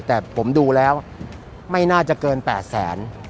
แต่ผมดูแล้วไม่น่าจะเกิน๘แสน